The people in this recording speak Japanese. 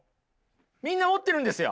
みんな持ってるんですよ。